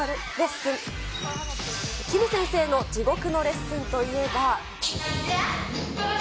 キム先生の地獄のレッスンといえば。